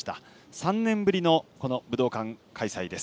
３年ぶりの武道館開催です。